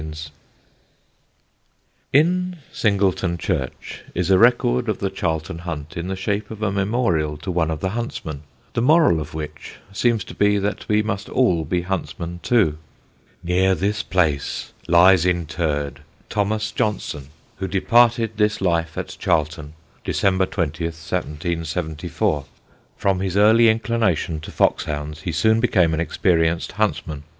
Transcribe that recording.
[Sidenote: JOHNSON THE EXEMPLAR] In Singleton church is a record of the Charlton Hunt in the shape of a memorial to one of the huntsmen, the moral of which seems to be that we must all be huntsmen too: "Near this place lies interred THOMAS JOHNSON, who departed this life at Charlton, December 20th, 1774. "From his early inclination to fox hounds, he soon became an experienced huntsman.